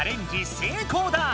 成功だ！